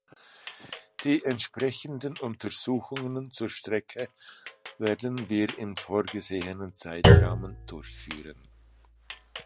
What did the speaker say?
Die entsprechenden Untersuchungen zur Strecke werden wir im vorgesehenen Zeitrahmen durchführen.